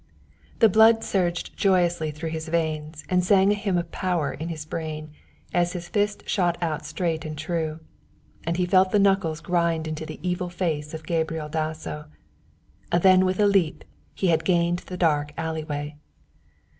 The blood surged joyously through his veins and sang a hymn of power in his brain as his fist shot out straight and true, and he felt the knuckles grind into the evil face of Gabriel Dasso. Then with a leap he had gained the dark alley way.